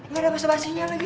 gak ada pas pasinya lagi